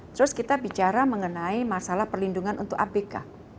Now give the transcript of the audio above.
terus kita bicara mengenai masalah perlindungan untuk abk